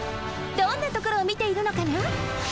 どんなところをみているのかな？